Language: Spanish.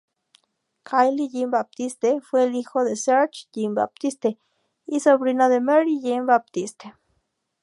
Kyle Jean-Baptiste fue el hijo de Serge Jean-Baptiste y sobrino de Marie Jean-Baptise.